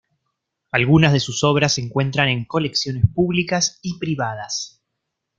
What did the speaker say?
Algunas de sus obras se encuentran en colecciones públicas y privadas.